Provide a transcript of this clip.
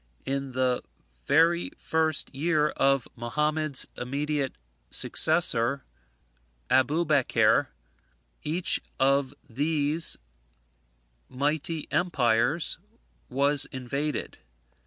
In the very first year of Mohammad's immediate successor, Abubeker, each of these mighty empires was invaded.